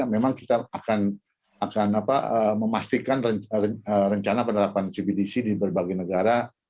memang kita akan memastikan rencana penerapan cbdc di berbagai negara